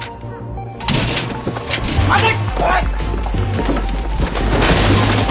待て！